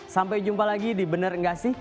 sampai jumpa lagi di bener nggak sih